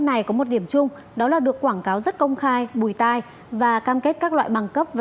này có một điểm chung đó là được quảng cáo rất công khai bùi tai và cam kết các loại bằng cấp và